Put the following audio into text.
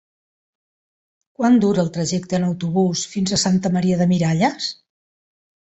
Quant dura el trajecte en autobús fins a Santa Maria de Miralles?